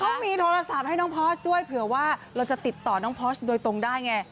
เขามีโทรศัพท์ให้น้องพอสด้วยเผื่อว่าเราจะติดต่อน้องพอร์ชโดยตรงได้ไง